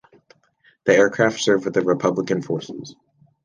The aircraft served with the Republican forces.